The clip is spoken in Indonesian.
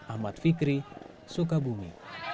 ahmad fikri sukabumi